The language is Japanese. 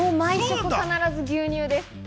毎日必ず牛乳です。